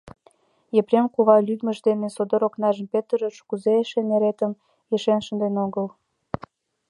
Епрем кува лӱдмыж дене содор окнажым петырыш, кузе эше неретым ишен шынден огыл?